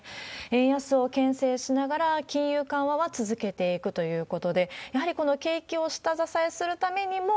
円安をけん制しながら、金融緩和は続けていくということで、やはりこの景気を下支えするためにも、